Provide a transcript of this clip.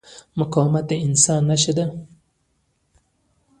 مقاومت د انسانیت نښه ده.